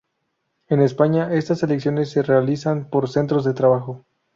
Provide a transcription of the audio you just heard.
En España, estas elecciones se realizan por centros de trabajo.